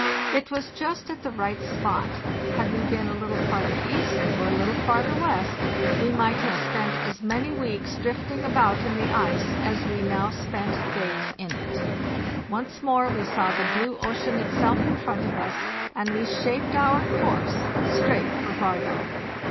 It was just at the right spot; had we been a httle farther east or a little farther west, we might have spent as many weeks drifting about in the ice as we now spent days in it. Once more we saw the blue ocean itself in front of us, and we shaped our course straight for Vardo.